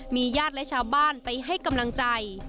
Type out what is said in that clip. มีญาติและชาวบ้านไปให้กำลังใจ